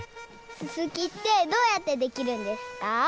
すすきってどうやってできるんですか？